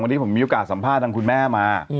วันนี้ผมมีโอกาสสัมภาษณ์ทางคุณแม่มา